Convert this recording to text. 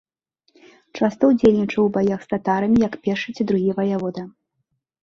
Часта ўдзельнічаў у баях з татарамі як першы ці другі ваявода.